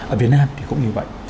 ở việt nam thì cũng như vậy